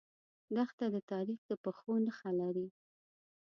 دښته د تاریخ د پښو نخښه لري.